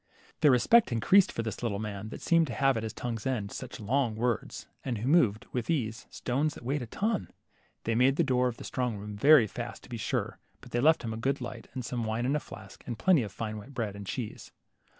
LITTLE HANS. 39 Their respect had increased for this little man that seemed to have at his tongue's end such long words, and who moved, with ease, stones that weighed a ton ! They made the door of the strong room very fast, to be sure, but they left him a good light, and some wine in a flask, and plenty of fine white bread and cheese.